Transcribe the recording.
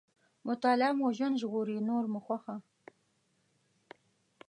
مطالعه مو ژوند ژغوري، نور مو خوښه.